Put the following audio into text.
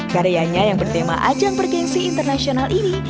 karyanya yang bertema ajang bergensi internasional ini